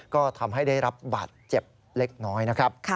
ก็ทำให้ได้รับบาดเจ็บเล็กน้อยนะครับ